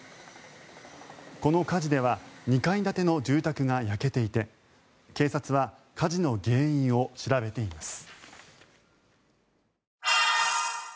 この火事では２階建ての住宅が焼けていて警察は火事の原因を調べています。